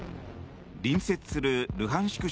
隣接するルハンシク